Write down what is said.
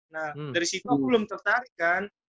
nah dari situ aku belum tertarik kan